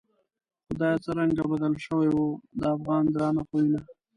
خدایه څرنگه بدل شوو، د افغان درانه خویونه